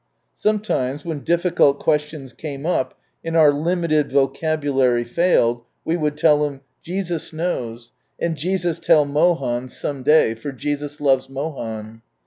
Sometimes when difficult questions came up and our limited vocabulary failed, we would tell him, "Jesus knows, and Jesus tell Mohan some day, for Jesus loves Mohan."